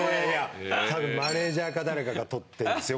多分マネジャーか誰かが撮ってるんですよ